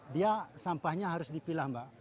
dia sampahnya harus dipilah mbak